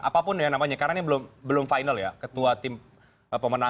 apapun yang namanya karena ini belum final ya ketua tim pemenang